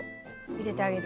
入れてあげる。